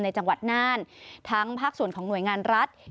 จังหวัดน่านทั้งภาคส่วนของหน่วยงานรัฐ